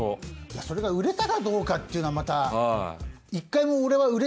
それが売れたかどうかっていうのはまた。